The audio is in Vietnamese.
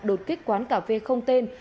đột kích quán cà phê không tên